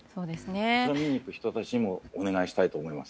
見に行く人たちにもお願いしたいと思います。